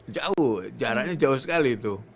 jauh jaraknya jauh sekali itu